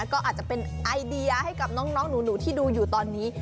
ก็อาจจะเป็นไอเดียให้กับน้องหนูที่ดูอยู่ตอนนี้